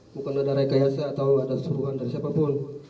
bukan ada rekayasa atau ada keseluruhan dari siapapun